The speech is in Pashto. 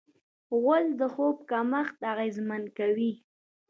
غول د خوب کمښت اغېزمن کوي.